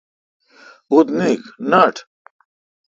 اُتھ نیکھ نٹ۔